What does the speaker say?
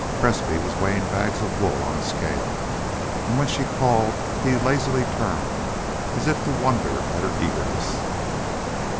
Presbrey was weighing bags of wool on a scale, and when she called he lazily turned, as if to wonder at her eagerness.